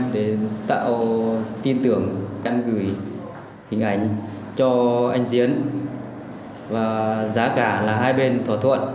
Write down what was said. để tạo tin tưởng em gửi hình ảnh cho anh diễn và giá cả là hai bên thỏa thuận